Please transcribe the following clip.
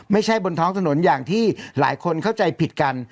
บนท้องถนนอย่างที่หลายคนเข้าใจผิดกัน